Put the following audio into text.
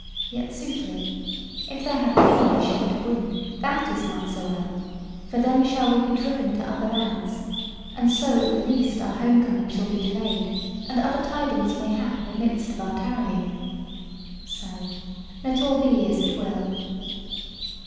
Yet soothly if there hath been a shift of wind, that is not so ill; for then shall we be driven to other lands, and so at the least our home coming shall be delayed, and other tidings may hap amidst of our tarrying. So let all be as it will.